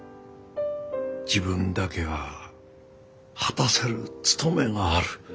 自分だけが果たせる務めがある。